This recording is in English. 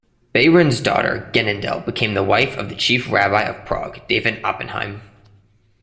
Behrend's daughter Genendel became the wife of the chief rabbi of Prague, David Oppenheim.